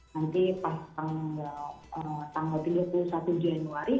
nanti pas tanggal tiga puluh satu januari